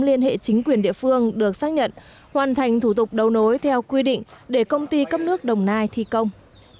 liên hệ chính quyền địa phương được xác nhận hoàn thành thủ tục đầu nối theo quy định để công ty cấp nước đồng nai thi công